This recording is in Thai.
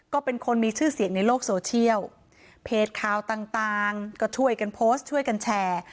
ก็เป็นคนมีชื่อเสียงในโลกโซเชียลเพจข่าวต่างต่างก็ช่วยกันโพสต์ช่วยกันแชร์